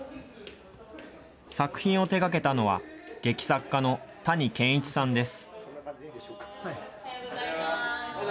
作品を手がけたのは、劇作家の谷賢一さんです。